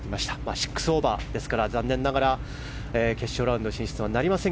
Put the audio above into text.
６オーバーで残念ながら決勝ラウンド進出はなりません